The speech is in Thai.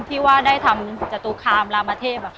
ที่ว่าได้ทำจตุคามรามเทพ